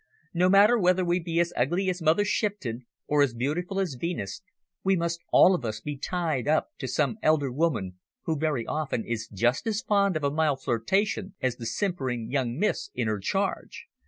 No matter whether we be as ugly as Mother Shipton or as beautiful as Venus, we must all of us be tied up to some elder woman, who very often is just as fond of a mild flirtation as the simpering young miss in her charge.